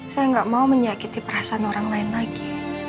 saya nggak mau menyakiti perasaan orang lain lagi